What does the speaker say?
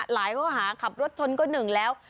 หลายเขาหาขับรถชนก็หนึ่งแล้ว